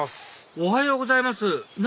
おはようございます何？